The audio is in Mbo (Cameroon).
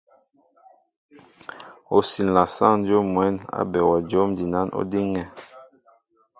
Ó siǹla sáŋ dyów mwɛ̌n á be wɛ jǒm jinán ó díŋnɛ.